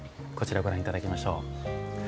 こちらご覧頂きましょう。